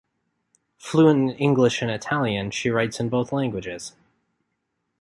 Fluent in English and Italian, she writes in both languages.